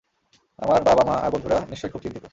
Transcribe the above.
আমার বাবা-মা আর বন্ধুরা নিশ্চয়ই খুব চিন্তিত।